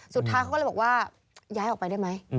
สุดท้ายเขาก็เลยบอกว่าย้ายออกไปได้ไหม